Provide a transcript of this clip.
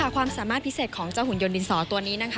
ความสามารถพิเศษของเจ้าหุ่นยนดินสอตัวนี้